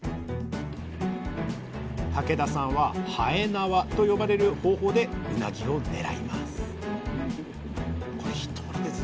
竹田さんははえなわと呼ばれる方法でうなぎをねらいます